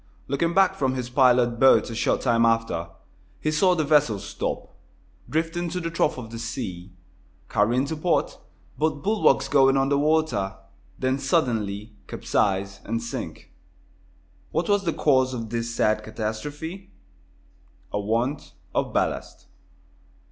Looking back from his pilot boat a short time after, he saw the vessel stop, drift into the trough of the sea, careen to port, both bulwarks going under water, then suddenly capsize and sink. What was the cause of this sad catastrophe? A want of ballast.